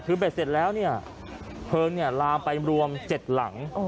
คือไปเสร็จแล้วเนี่ยเพิงเนี่ยลาไปรวม๗หลัง